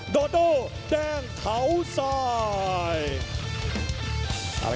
โดโดแดงเขาทราย